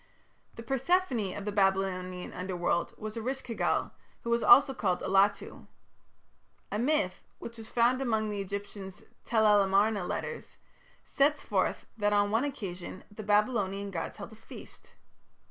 The Persephone of the Babylonian Underworld was Eresh ki gal, who was also called Allatu. A myth, which was found among the Egyptian Tel el Amarna "Letters", sets forth that on one occasion the Babylonian gods held a feast.